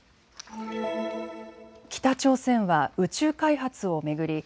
北朝鮮は宇宙開発を巡り